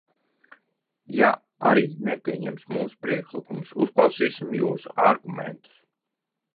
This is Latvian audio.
Ja arī nepieņems mūsu priekšlikumus, uzklausīsim jūsu argumentus.